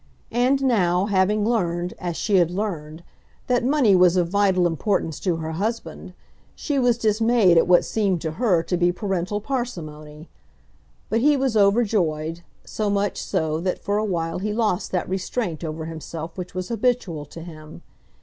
And now, having learned, as she had learned, that money was of vital importance to her husband, she was dismayed at what seemed to her to be parental parsimony. But he was overjoyed, so much so that for a while he lost that restraint over himself which was habitual to him.